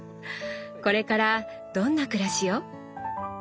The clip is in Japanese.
これからどんな暮らしを？